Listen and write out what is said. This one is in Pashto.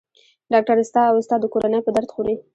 ډاکټر ستا او ستا د کورنۍ په درد خوري.